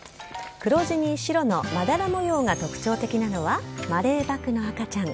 黒地に白のまだら模様が特徴的なのは、マレーバクの赤ちゃん。